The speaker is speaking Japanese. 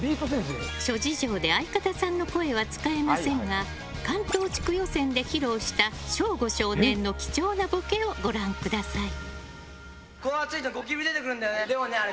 諸事情で相方さんの声は使えませんが関東地区予選で披露した省吾少年の貴重なボケをご覧ください。